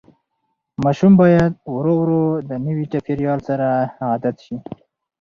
ماشوم باید ورو ورو د نوي چاپېریال سره عادت شي.